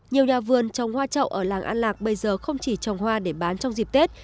nhiều nhà vườn trồng hoa trậu ở làng an lạc bây giờ không chỉ trồng hoa để bán trong dịp tết